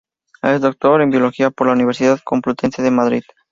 Es Doctor en Biología por la Universidad Complutense de Madrid.